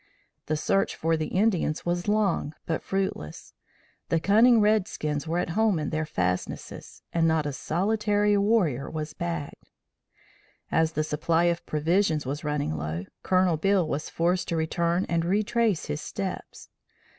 The search for the Indians was long but fruitless. The cunning red skins were at home in their fastnesses and not a solitary warrior was bagged. As the supply of provisions was running low, Colonel Beale was forced to return and retrace his steps.